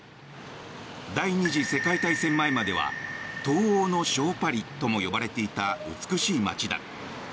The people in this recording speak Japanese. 第２次世界大戦前までは東欧の小パリとも呼ばれていた美しい街だ。